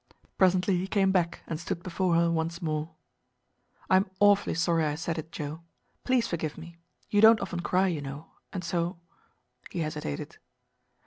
Presently he came back and stood before her once more. "I am awfully sorry I said it, Joe. Please forgive me. You don't often cry, you know, and so" He hesitated.